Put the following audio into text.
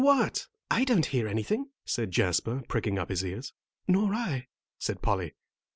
"What? I don't hear anything," said Jasper, pricking up his ears. "Nor I," said Polly.